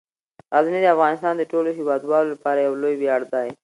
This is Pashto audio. غزني د افغانستان د ټولو هیوادوالو لپاره یو لوی ویاړ دی.